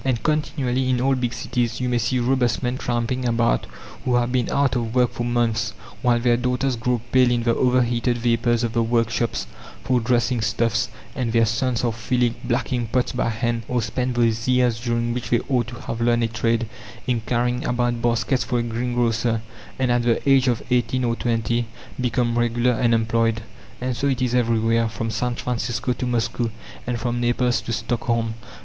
And continually in all big cities you may see robust men tramping about who have been out of work for months, while their daughters grow pale in the overheated vapours of the workshops for dressing stuffs, and their sons are filling blacking pots by hand, or spend those years during which they ought to have learned a trade, in carrying about baskets for a greengrocer, and at the age of eighteen or twenty become regular unemployed. And so it is everywhere, from San Francisco to Moscow, and from Naples to Stockholm.